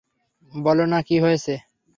বল না কী হয়েছে?